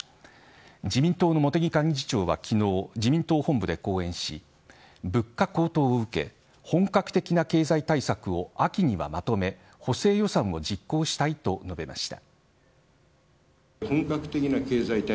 自民党の茂木幹事長は昨日、自民党本部で講演し物価高騰を受け本格的な経済対策を秋にはまとめ補正予算を実行したいと述べました。